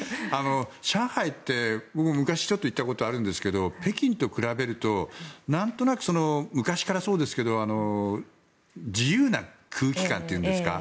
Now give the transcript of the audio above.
上海って僕、昔ちょっと行ったことあるんですけど北京と比べるとなんとなく、昔からそうですが自由な空気感というんですか。